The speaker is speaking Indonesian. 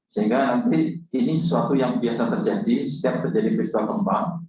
sehingga nanti ini sesuatu yang biasa terjadi setiap terjadi peristiwa gempa